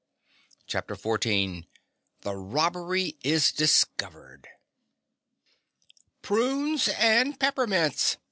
CHAPTER 14 The Robbery Is Discovered! "Prunes and peppermints!"